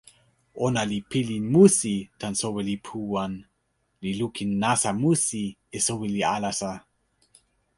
ona li pilin musi tan soweli Puwan, li lukin nasa musi e soweli alasa.